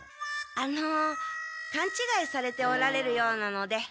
あのかんちがいされておられるようなので。